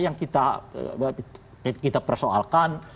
yang kita persoalkan